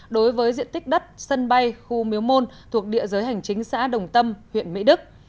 đối với diện tích đất sân bay khu miếu môn thuộc địa giới hành chính xã đồng tâm huyện mỹ đức